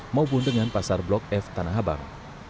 maupun dengan pasar blok f tanah abang